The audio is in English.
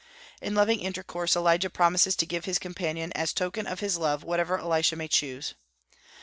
In loving intercourse Elijah promises to give to his companion as token of his love whatever Elisha may choose.